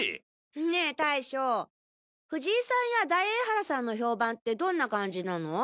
ねえ大将藤井さんや大江原さんの評判ってどんな感じなの？